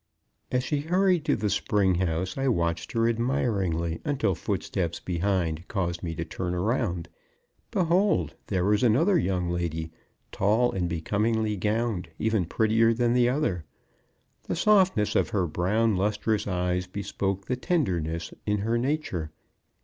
As she hurried to the spring house, I watched her admiringly until foosteps behind caused me to turn around. Behold! there was another young lady, tall and becomingly gowned, even prettier than the other. The softness of her brown, lustrous eyes bespoke the tenderness in her nature.